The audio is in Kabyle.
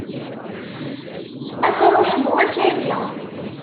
Ad truḥem wakali!